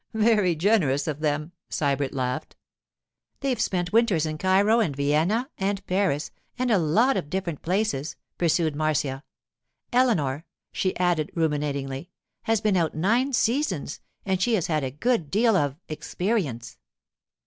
'Very generous of them,' Sybert laughed. 'They've spent winters in Cairo and Vienna and Paris and a lot of different places,' pursued Marcia. 'Eleanor,' she added ruminatingly, 'has been out nine seasons, and she has had a good deal of—experience.